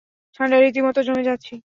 ঠান্ডায় রীতিমত জমে যাচ্ছি!